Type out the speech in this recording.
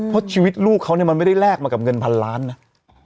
เพราะชีวิตลูกเขาเนี่ยมันไม่ได้แลกมากับเงินพันล้านนะ